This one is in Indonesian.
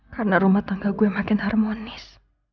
karena rumah tangga gue makin harmonis